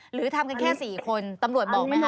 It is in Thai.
หรือทำกันแค่๔คนตำรวจบอกไหมคะ